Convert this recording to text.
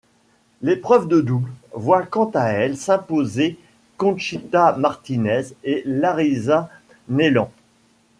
L'épreuve de double voit quant à elle s'imposer Conchita Martínez et Larisa Neiland.